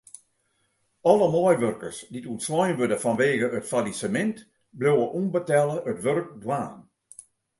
Alle meiwurkers dy't ûntslein wurde fanwegen it fallisemint bliuwe ûnbetelle it wurk dwaan.